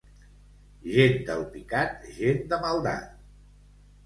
Gent d'Alpicat, gent de maldat.